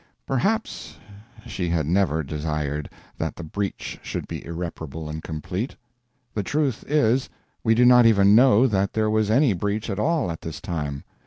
"Perhaps" she had never desired that the breach should be irreparable and complete. The truth is, we do not even know that there was any breach at all at this time.